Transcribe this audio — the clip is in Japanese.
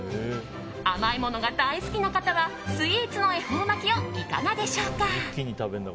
甘いものが大好きな方はスイーツの恵方巻きをいかがでしょうか。